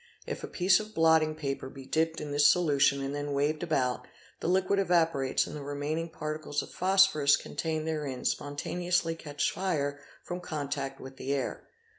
If a piece of blotting paper be dipped in this solution and then waved about, the liquid evaporates and the remaining particles of phosphorus contained therein spontaneously catch fire from contact with the air.